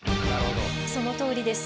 そのとおりです。